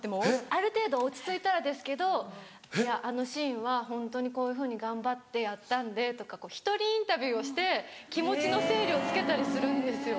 ・ある程度落ち着いたらですけど「あのシーンはホントにこういうふうに頑張ってやったんで」とか１人インタビューをして気持ちの整理をつけたりするんですよ。